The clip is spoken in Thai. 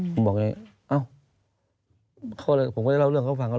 ผมก็เลยเล่าเรื่องเขาฟัง